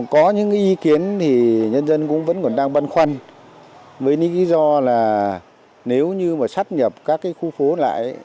có những ý kiến thì nhân dân cũng vẫn còn đang băn khoăn với những lý do là nếu như mà sắp nhập các khu phố lại